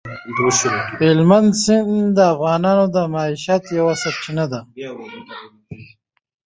هلمند سیند د افغانانو د معیشت یوه سرچینه ده.